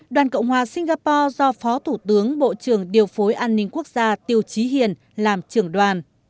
đoàn cộng hòa singapore do phó thủ tướng bộ trưởng điều phối an ninh quốc gia tiêu chí hiền làm trưởng đoàn